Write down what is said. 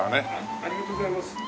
ありがとうございます。